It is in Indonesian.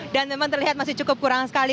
dan memang terlihat masih cukup kurang sekali